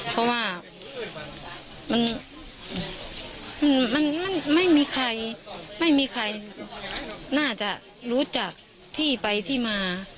เพราะว่าไม่มีใครน่าจะรู้จักที่ไปที่มา